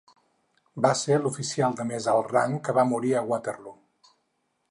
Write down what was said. Va ser l'oficial de més alt rang que va morir a Waterloo.